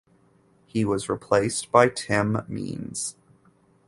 He was replaced by Tim Means.